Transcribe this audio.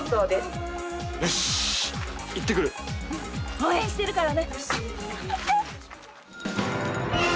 応援してるからね。